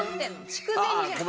筑前煮じゃない。